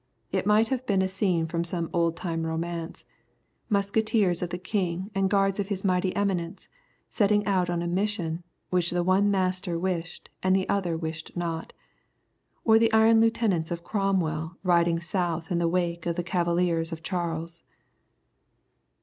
It might have been a scene from some old time romance musketeers of the King and guards of his mighty Eminence setting out on a mission which the one master wished and the other wished not; or the iron lieutenants of Cromwell riding south in the wake of the cavaliers of Charles.